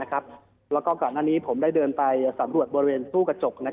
แล้วก็ก่อนหน้านี้ผมได้เดินไปสำรวจบริเวณตู้กระจก